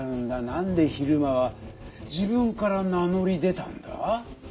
なんで比留間は自分から名乗り出たんだ？